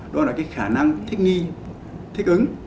đó là cái khả năng thích nghi thích ứng